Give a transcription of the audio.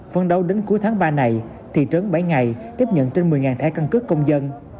phân đấu đến cuối tháng ba này thị trấn bảy ngày tiếp nhận trên một mươi thẻ căn cứ công dân